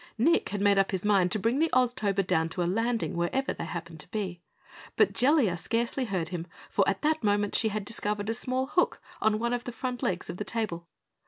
Nick had made up his mind to bring the Oztober down to a landing wherever they happened to be. But Jellia scarcely heard him for at that moment she had discovered a small hook on one of the front legs of the table.